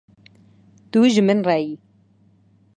Tu ji min re yî.